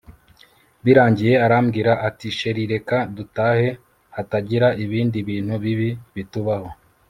birangiye arambwira ati chr reka dutahe hatagira ibindi bintu bibi bitubaho